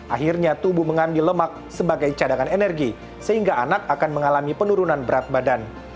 akhirnya tubuh mengambil lemak sebagai cadangan energi sehingga anak akan mengalami penurunan berat badan